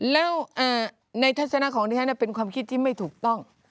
แล้วในทัศนะของดิฉันเป็นความคิดที่ไม่ถูกต้อง